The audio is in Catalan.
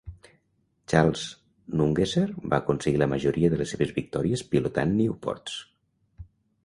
Charles Nungesser va aconseguir la majoria de les seves victòries pilotant Nieuports.